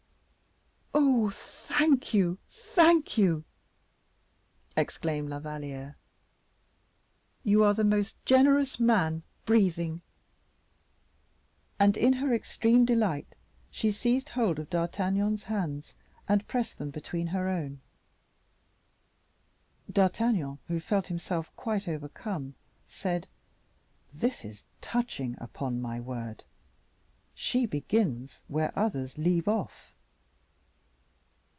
"Oh! thanks, thanks," exclaimed La Valliere, "you are the most generous man breathing." And in her extreme delight she seized hold of D'Artagnan's hands and pressed them between her own. D'Artagnan, who felt himself quite overcome, said: "This is touching, upon my word; she begins where others leave off."